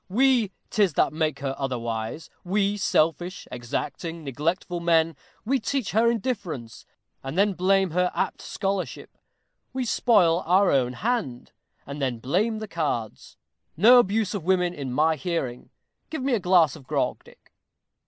We 'tis that make her otherwise; we, selfish, exacting, neglectful men; we teach her indifference, and then blame her apt scholarship. We spoil our own hand, and then blame the cards. No abuse of women in my hearing. Give me a glass of grog, Dick.